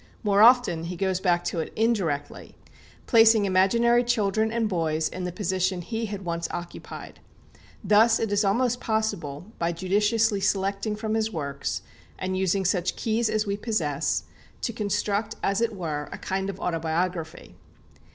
More often he goes back to it indirectly, placing imaginary children and boys in the position he had once occupied. Thus it is almost possible, by judiciously selecting from his works, and using such keys as we possess, to construct as it were a kind of autobiography.